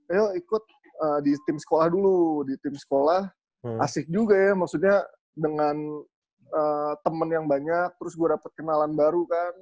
ayo ikut di tim sekolah dulu di tim sekolah asik juga ya maksudnya dengan temen yang banyak terus gue dapat kenalan baru kan